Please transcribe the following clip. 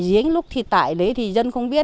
giếng lúc thì tại đấy thì dân không biết